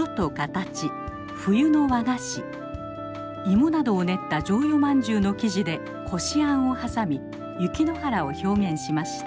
芋などを練った薯蕷饅頭の生地でこしあんを挟み雪の原を表現しました。